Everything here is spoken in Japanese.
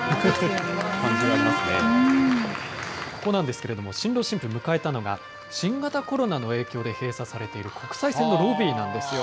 ここなんですけれども、新郎新婦迎えたのは、新型コロナの影響で閉鎖されている国際線のロビーなんです。